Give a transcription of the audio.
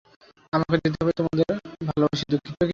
আমাকে যেতে হবে তোমাদের ভালবাসি, দুঃখিত কী?